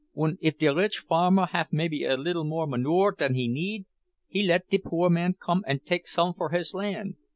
Und if de rich farmer have maybe a liddle more manure dan he need, he let de poor man come and take some for his land.